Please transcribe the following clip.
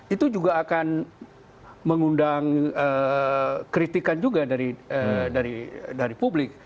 itu juga akan mengundang kritikan juga dari publik